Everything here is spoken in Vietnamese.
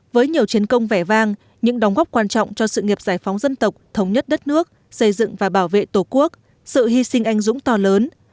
với nhiều chiến công vẻ vang những đóng góp quan trọng cho sự nghiệp giải phóng dân tộc thống nhất đất nước xây dựng và bảo vệ tổ quốc sự hy sinh anh dũng to lớn